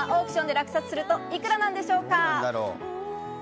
今、オークションで落札するといくらなんでしょうか？